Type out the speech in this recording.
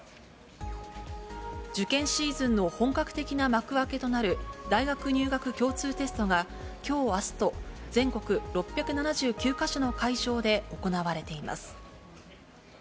受験シーズンの本格的な幕開けとなる大学入学共通テストがきょう、あすと、全国６７９か所の会場で行われています。